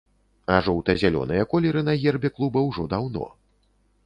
А жоўта-зялёныя колеры на гербе клуба ўжо даўно.